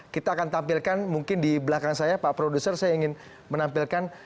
kita akan tampilkan mungkin di belakang saya pak produser saya ingin menampilkan